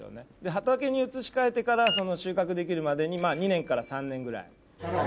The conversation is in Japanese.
畑に移し替えてからその収穫できるまでに２年から３年ぐらい。